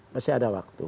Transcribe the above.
masih ada waktu